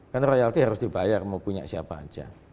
kan royalti harus dibayar mau punya siapa aja